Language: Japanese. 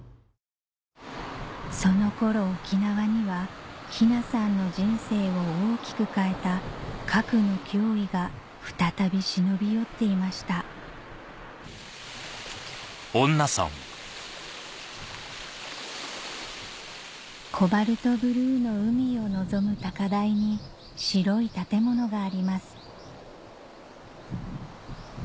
その頃沖縄には雛さんの人生を大きく変えた核の脅威が再び忍び寄っていましたコバルトブルーの海を望む高台に白い建物があります